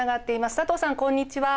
佐藤さんこんにちは。